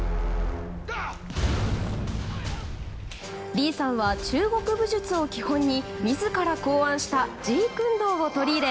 リーさんは中国武術を基本に自ら考案したジークンドーを取り入れ